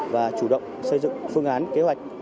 và chủ động xây dựng phương án kế hoạch